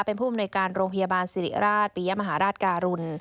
เป็นผู้อำนวยการโรงพยาบาลสิริราชปริยมหาราชการุล